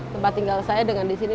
tempat tinggal saya dengan di sini